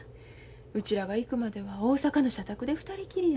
うちらが行くまでは大阪の社宅で２人きりや。